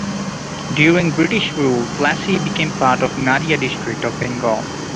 During British rule Plassey became part of Nadia District of Bengal.